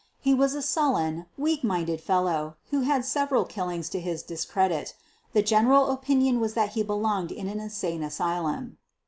He was a sullen, weak minded fellow, who had several killings to his dis credit. The general opinion was that he belonged in an insane asylum.